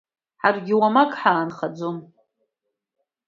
Ҳаргьы уамак ҳаанхаӡом.